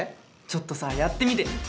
ちょっとさやってみてよ。